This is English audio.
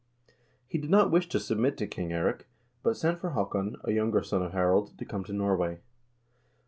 He did not wish to submit to King Eirik, but sent for Haakon, a younger son of Harald, to come to Norway.